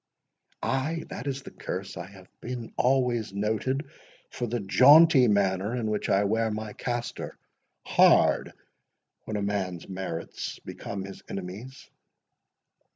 "Ay, that is the curse! I have been always noted for the jaunty manner in which I wear my castor—Hard when a man's merits become his enemies!"